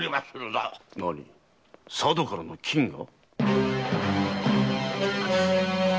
佐渡からの金が？